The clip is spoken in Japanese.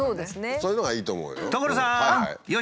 そういうのがいいと思うよ。